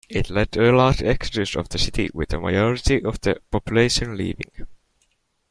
It led to a large exodus of the city, with a majority of the population leaving.